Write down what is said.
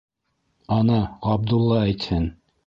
Ана Ғабдулла әйтһен!